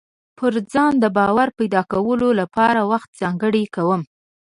پر ځان د باور پيدا کولو لپاره وخت ځانګړی کوم.